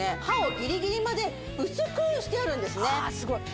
刃をギリギリまで薄くしてあるんですね